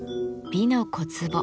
「美の小壺」